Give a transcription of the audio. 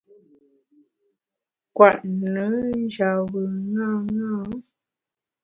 Kwet nùn njap bùn ṅaṅâ.